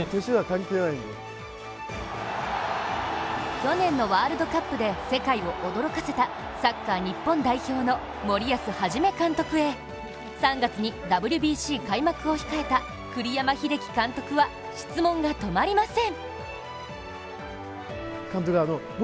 去年のワールドカップで世界を驚かせたサッカー日本代表の森保一監督へ３月にＷＢＣ開幕を控えた栗山英樹監督は質問が止まりません。